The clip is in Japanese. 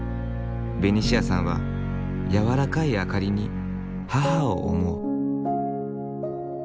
ベニシアさんは柔らかい明かりに母を思う。